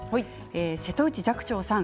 瀬戸内寂聴さん